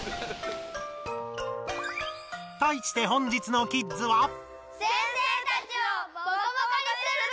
対して本日のキッズは。